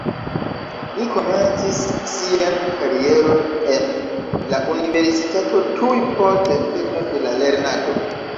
Li komencis sian karieron en la universitato tuj post fino de la lernado.